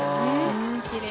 きれい。